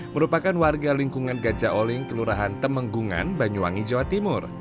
merupakan warga lingkungan gajah oling kelurahan temenggungan banyuwangi jawa timur